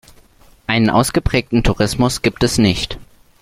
Einen ausgeprägten Tourismus gibt es nicht.